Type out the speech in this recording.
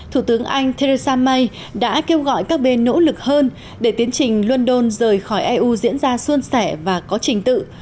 thủ tướng anh theresa may đã kêu gọi các bên nỗ lực hơn để tiến trình london rời khỏi eu diễn ra xuân sẻ và có trình tự